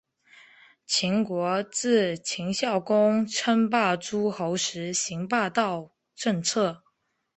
秦国自秦孝公称霸诸候时行霸道政策。